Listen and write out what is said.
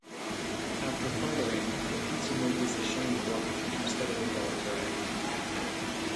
After firing, the piece emerges a shiny black instead of a dull gray.